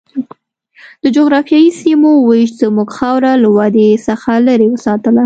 د جغرافیایي سیمو وېش زموږ خاوره له ودې څخه لرې وساتله.